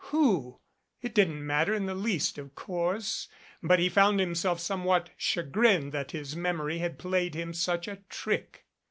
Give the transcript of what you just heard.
Who? It didn't matter in the least of course, but he found himself somewhat chagrined that his memory had played him such a trick.